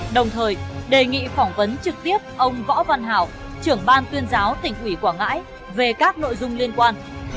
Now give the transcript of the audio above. đồng thời đề nghị phỏng vấn trực tiếp ông võ văn hảo trưởng ban tuyên giáo tỉnh ủy quảng ngãi về các nội dung liên quan